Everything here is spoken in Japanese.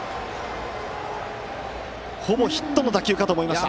ほぼヒットの打球かと思いました。